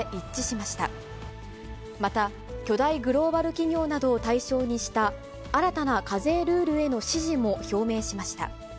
また、巨大グローバル企業などを対象にした新たな課税ルールへの支持も表明しました。